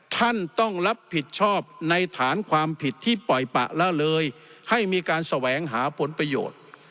ท่านต้องรับผิดชอบในฐานความผิดที่ปล่อยปะละเลยให้มีการแสวงหาผลประโยชน์